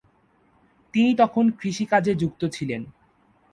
তিনি তখন কৃষিকাজে যুক্ত ছিলেন।